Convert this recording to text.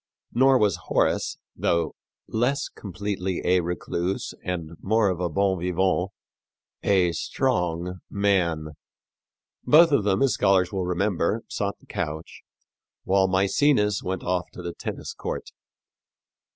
Nor was Horace, though less completely a recluse and more of a bon vivant, a strong man. Both of them, as scholars will remember, sought the couch, while Mæcenas went off to the tennis court.